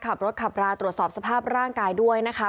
ขับรถขับราตรวจสอบสภาพร่างกายด้วยนะคะ